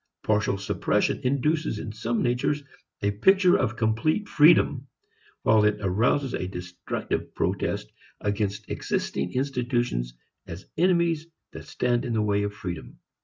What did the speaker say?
Partial suppression induces in some natures a picture of complete freedom, while it arouses a destructive protest against existing institutions as enemies that stand in the way of freedom.